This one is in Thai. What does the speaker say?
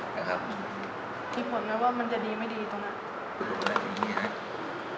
ที่ผลเรียกว่ามันจะดีไม่ดีตรงนั้น